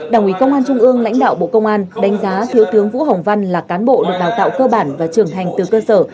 đảng ủy công an trung ương lãnh đạo bộ công an đánh giá thiếu tướng vũ hồng văn là cán bộ được đào tạo cơ bản và trưởng thành từ cơ sở